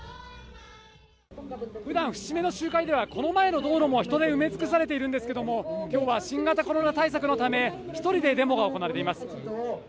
ふだん、節目の集会では、この前の道路も人で埋め尽くされているんですけど、きょうは新型コロナ対策のため、１人でデモが行われています。